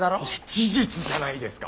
事実じゃないですか！